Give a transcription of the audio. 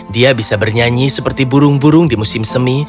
dia bisa bernyanyi seperti burung burung di musim semi